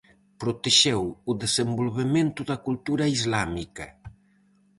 Protexeu o desenvolvemento da cultura islámica.